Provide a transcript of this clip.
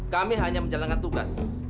kami hanya menjalankan tugas